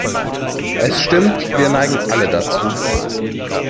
Es stimmt, wir neigen alle dazu.